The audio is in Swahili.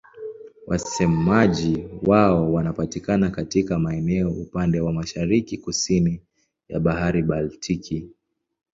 Wasemaji wao wanapatikana katika maeneo upande wa mashariki-kusini ya Bahari Baltiki.